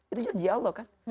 itu janji allah kan